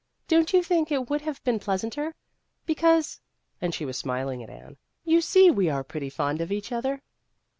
Don't you think it would have been pleasanter ? because " and she was smiling at Anne " you see we are pretty fond of each other."